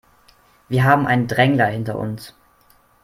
Wir haben einen Drängler hinter uns.